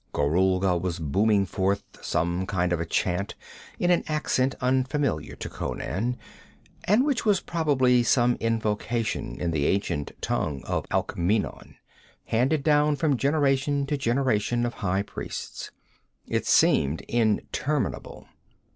Gorulga was booming forth some kind of a chant in an accent unfamiliar to Conan, and which was probably some invocation in the ancient tongue of Alkmeenon, handed down from generation to generation of high priests. It seemed interminable.